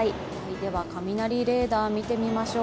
では雷レーダー見てみましょう。